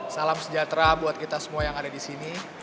salam sejahtera buat kita semua yang ada di sini